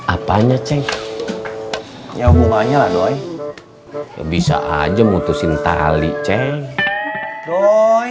apaan ya cek ya buahnya lah doi bisa aja mutusin tali cek doi